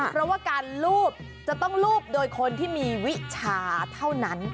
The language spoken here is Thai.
เพราะว่าการลูบจะต้องรูปโดยคนที่มีวิชาเท่านั้น